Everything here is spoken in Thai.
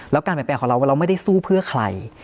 แล้วการเปลี่ยนแปลงของเราว่าเราไม่ได้สู้เพื่อใคร